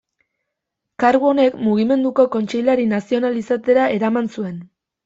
Kargu honek Mugimenduko kontseilari nazional izatera eraman zuen.